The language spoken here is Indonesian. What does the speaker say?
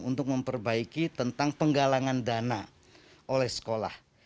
untuk memperbaiki tentang penggalangan dana oleh sekolah